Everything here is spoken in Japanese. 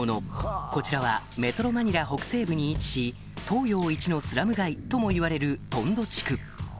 こちらはメトロマニラ北西部に位置し東洋いちのスラム街ともいわれるトンド地区